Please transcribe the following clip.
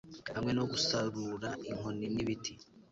Hamwe no gusarurainkoni nibiti